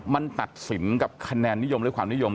มันตัดสินกับคะแนนนิยมหรือความนิยม